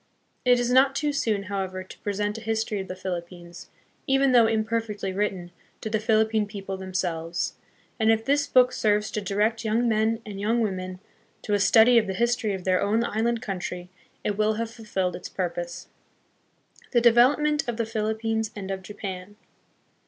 It is not too soon, how ever, to present a history of the Philippines, even though imperfectly written, to the Philippine people themselves; and if this book serves to direct young men and young women to a study of the history of their own island coun try, it will have fulfilled its purpose. The Development of the Philippines and of Japan.